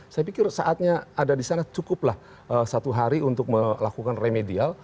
saya pikir saatnya ada di sana cukuplah satu hari untuk melakukan remedial